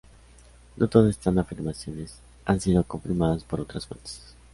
No todas estas afirmaciones han sido confirmadas por otras fuentes.